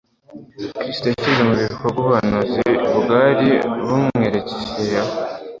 Kristo yashyize mu bikorwa ubuhanuzi bwari bumwerekcyeho;